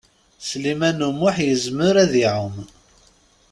Sliman U Muḥ yezmer ad iɛum.